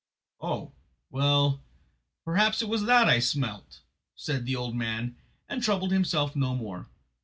"Oh, well, perhaps it was that I smelt," said the old man, and troubled himself no more.